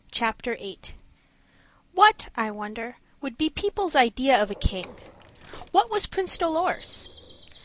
CHAPTER VIII What, I wonder, would be people's idea of a king? What was Prince Dolor's?